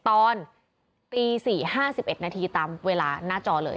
ตอน๔๕๑นตามเวลาหน้าจอเลย